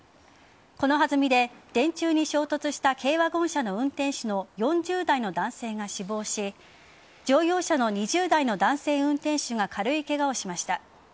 この弾みで電柱に衝突した軽ワゴン車の運転手の４０代の男性が死亡し乗用車の２０代の男性運転手が軽いケガをしました。